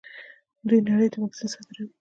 دوی نړۍ ته واکسین صادروي.